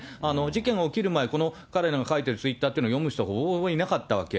事件が起きる前、この彼の書いてるツイッターというのは読む人がほぼほぼいなかったわけ。